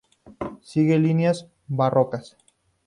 Sigue líneas barrocas.